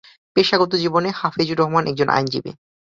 পেশাগত জীবনে হাফিজুর রহমান একজন আইনজীবী।